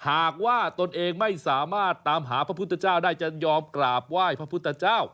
หากว่าตนเองไม่สามารถตามหาพระพุทธเจ้าได้จะยอมกราบไหว้พระพุทธเจ้า